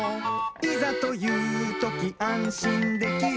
「いざというときあんしんできる」